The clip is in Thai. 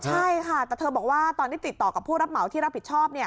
ใช่ค่ะแต่เธอบอกว่าตอนที่ติดต่อกับผู้รับเหมาที่รับผิดชอบ